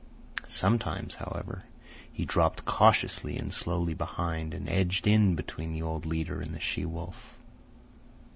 Sometimes, however, he dropped cautiously and slowly behind and edged in between the old leader and the she wolf.